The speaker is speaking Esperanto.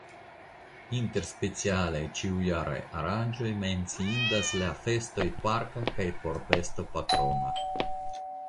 Inter specialaj ĉiujaraj aranĝoj menciindas la festoj parka kaj porbestopatrona.